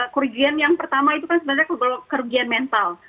kerugian yang pertama itu kan sebenarnya kerugian mental